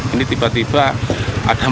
ini tiba tiba ada empat